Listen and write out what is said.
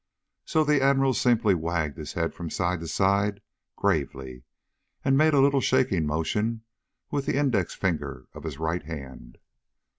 So the Admiral simply wagged his head from side to side gravely, and made a little shaking motion with the index finger of his right hand.